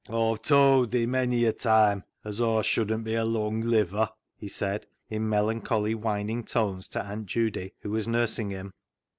" Aw've towd thi mony a toime as Aw shouldn't be a lung liver," he said, in melan choly, whining tones, to Aunt Judy, who was nursing him.